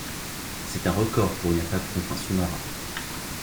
C'est un record pour une attaque contre un sous-marin.